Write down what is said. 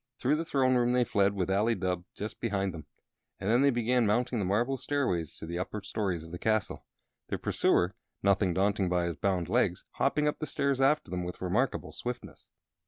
Through the throne room they fled, with Ali Dubh just behind them, and then they began mounting the marble stairways to the upper stories of the castle. Their pursuer, nothing daunted by his bound legs, hopped up the stairs after them with remarkable swiftness.